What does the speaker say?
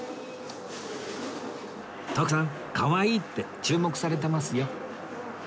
徳さんかわいいって注目されてますよ